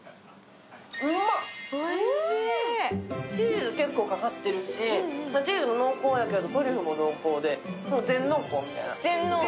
チーズ結構かかってるし、チーズも濃厚やけど、トリュフも濃厚で全濃厚みたいな。